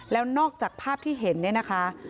แล้วนอกจากภาพที่เห็นเนี่ยนะคะ